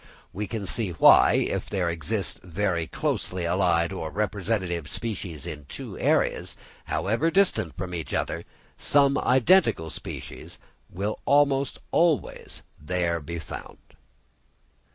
We can see why, if there exist very closely allied or representative species in two areas, however distant from each other, some identical species will almost always there be found.